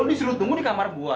lo disuruh tunggu di kamar gue